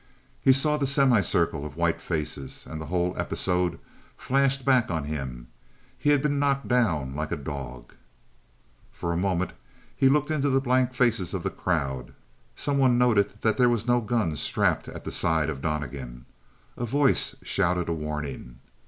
He saw the semicircle of white faces, and the whole episode flashed back on him. He had been knocked down like a dog. For a moment he looked into the blank faces of the crowd; someone noted that there was no gun strapped at the side of Donnegan. A voice shouted a warning.